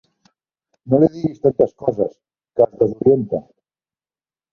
No li diguis tantes coses, que es desorienta.